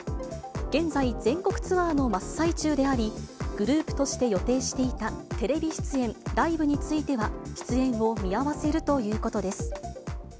現在、全国ツアーの真っ最中であり、グループとして予定していたテレビ出演、ライブについては出演を見合わせるということです。